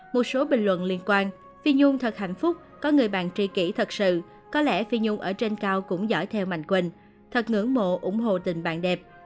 một số bình luận liên quan phi nhung thật hạnh phúc có người bạn tri kỷ thật sự có lẽ phi nhung ở trên cao cũng giỏi theo mạnh quỳnh thật ngưỡng mộ ủng hộ tình bạn đẹp